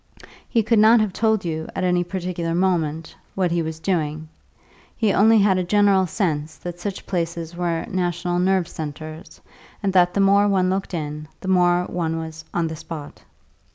He could not have told you, at any particular moment, what he was doing; he only had a general sense that such places were national nerve centres, and that the more one looked in, the more one was "on the spot."